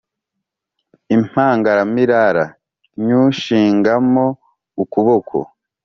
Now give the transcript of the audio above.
impangaramirara nywushingamo ukuboko,